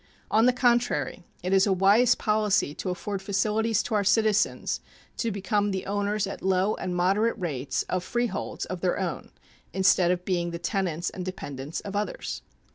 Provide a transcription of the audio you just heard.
On the contrary, it is a wise policy to afford facilities to our citizens to become the owners at low and moderate rates of freeholds of their own instead of being the tenants and dependents of others.